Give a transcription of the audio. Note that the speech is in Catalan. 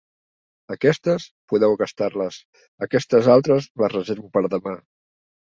Aquestes, podeu gastar-les; aquestes altres, les reservo per a demà.